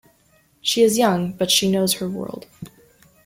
She is young, but she knows her world.